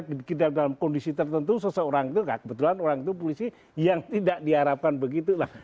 di dalam kondisi tertentu seseorang itu kebetulan orang itu polisi yang tidak diharapkan begitu lah